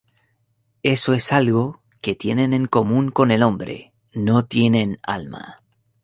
Eso es algo que tienen en común con el hombre", "No tienen alma.